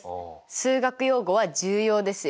数学用語は重要ですよ。